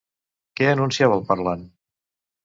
Què enunciava el parlant?